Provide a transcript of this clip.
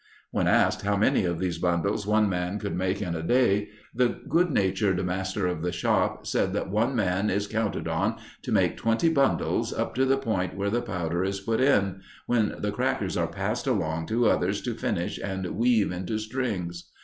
When asked how many of these bundles one man could make in a day, the good natured master of the shop said that one man is counted on to make twenty bundles up to the point where the powder is put in, when the crackers are passed along to others to finish and weave into strings.